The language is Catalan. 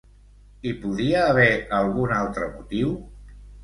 Hi podia haver algun altre motiu?